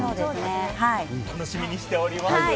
楽しみにしております。